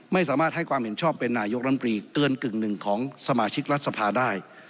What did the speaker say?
ไม่สามารถให้ความเห็นชอบเป็นนายกรัมปรีเตือนกึ่งหนึ่งของสมาชิกรัฐสภาได้